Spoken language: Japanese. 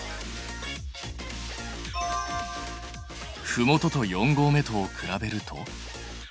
ふもとと四合目とを比べると？